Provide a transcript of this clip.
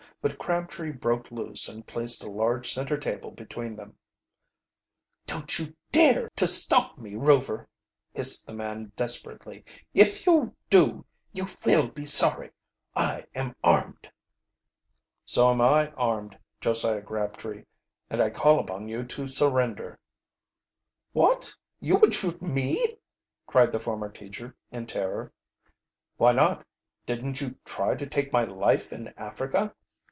But Crabtree broke loose and placed a large center table between them. "Don't dare to stop me, Rover," hissed the man desperately. "If you do you will be sorry. I am armed." "So am I armed, Josiah Crabtree. And I call upon you to surrender." "What, you would shoot me!" cried the former teacher, in terror. "Why not? Didn't you try to take my life in Africa?"